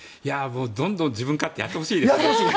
どんどん自分勝手にやってほしいですね。